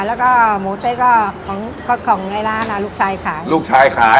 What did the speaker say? แล้วก็หมูเต๊ะก็ของก็ของในร้านอ่ะลูกชายขายลูกชายขาย